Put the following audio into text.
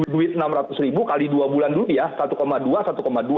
duit enam ratus ribu kali dua bulan dulu ya